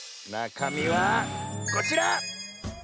なかみはこちら！